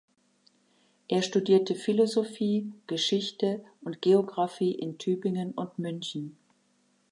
Er studierte Philosophie, Geschichte und Geographie in Tübingen und München.